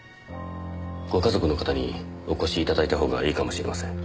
ご家族の方にお越し頂いた方がいいかもしれません。